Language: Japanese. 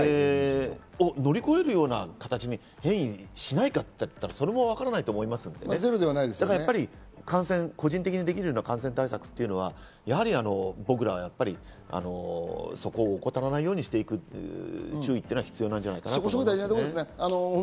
それを乗り越えるような形に変異しないかと言ったら、それもわからないと思いますので、個人的にできる感染対策というのはやはり僕ら、そこを怠らないようにしていくという注意は必要なんじゃないかなと思いますね。